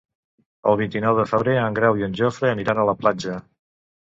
El vint-i-nou de febrer en Grau i en Jofre aniran a la platja.